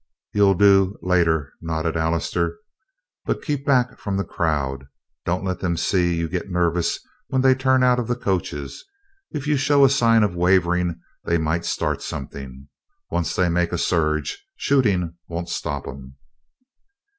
"You'll do later," nodded Allister. "But keep back from the crowd. Don't let them see you get nervous when they turn out of the coaches. If you show a sign of wavering they might start something. Once they make a surge, shooting won't stop 'em."